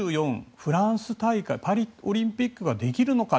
フランス大会パリオリンピックができるのか。